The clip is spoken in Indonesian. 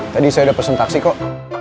tadi saya udah pesen taksi kok